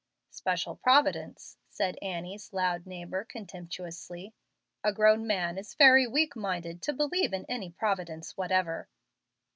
"Special Providence!" said Annie's loud neighbor, contemptuously. "A grown man is very weak minded to believe in any Providence whatever."